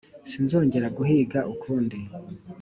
sinzongera guhiga ukundi."